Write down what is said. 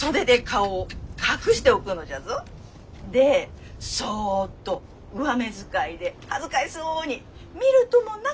でそっと上目使いで恥ずかしそうに見るともなく見る。